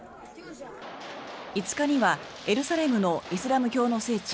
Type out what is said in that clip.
５日にはエルサレムのイスラム教の聖地